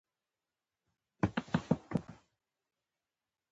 په دې کلي کي ناپوه طبیبان ډیر دي